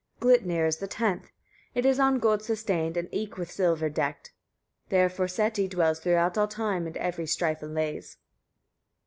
15. Glitnir is the tenth; it is on gold sustained, and eke with silver decked. There Forseti dwells throughout all time, and every strife allays.